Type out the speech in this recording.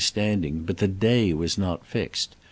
Standing, but the day was not fixed.